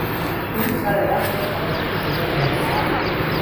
او سروقت توافق شده آمد.